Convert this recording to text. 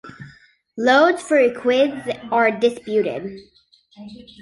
Loads for equids are disputed.